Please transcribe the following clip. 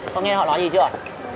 con nghe họ nói gì chưa